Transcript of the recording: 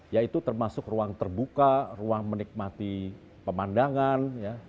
yaitu termasuk ruang terbuka ruang menikmati pemandangan